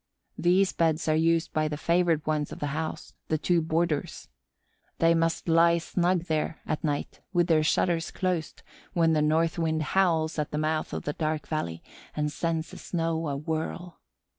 These beds are used by the favored ones of the house, the two boarders. They must lie snug in there at night, with their shutters closed, when the north wind howls at the mouth of the dark valley and sends the snow awhirl.